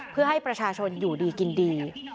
เพื่อให้ประชาชนอยู่ดีกินดี